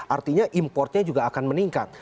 artinya importnya juga akan meningkat